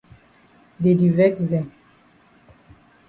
Dey di vex dem.